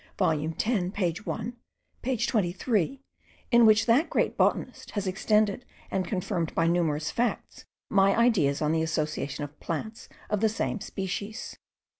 volume 10 page 1, page 23, in which that great botanist has extended and confirmed by numerous facts my ideas on the association of plants of the same species.)